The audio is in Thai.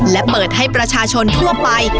และเปิดให้ประชาชนทั่วไป